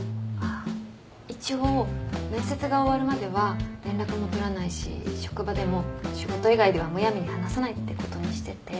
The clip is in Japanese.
一応面接が終わるまでは連絡も取らないし職場でも仕事以外ではむやみに話さないってことにしてて。